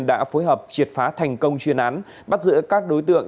đã phối hợp triệt phá thành công chuyên án bắt giữ các đối tượng